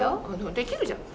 できるじゃん。